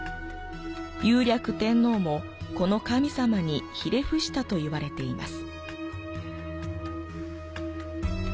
雄略天皇もこの神様にひれ伏したといわれています。